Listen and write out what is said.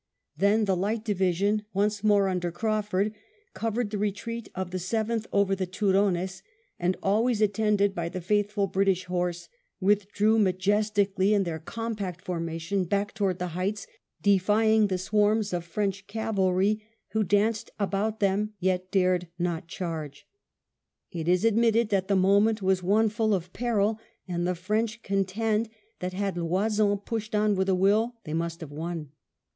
Then the Light Division, once more under Craufurd, covered the retreat of the Seventh over the Turones, and, always attended by the faithful British horse, withdrew majestically in their compact formation back towards the heights, defying the swarms of French cavalry who " danced " about them yet dared not charge. It is admitted that the moment was one full of peril, and the French contend that had Loison pushed on with a will they must have won.